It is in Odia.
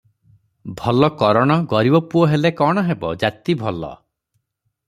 ଭଲ କରଣ, ଗରିବ ପୁଅ ହେଲେ କ’ଣ ହେବ, ଜାତି ଭଲ ।